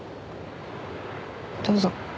どうぞ。